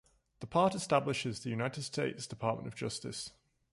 The part establishes the United States Department of Justice.